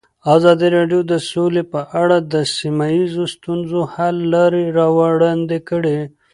ازادي راډیو د سوله په اړه د سیمه ییزو ستونزو حل لارې راوړاندې کړې.